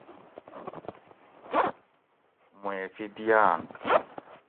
معیفی دیاۤنت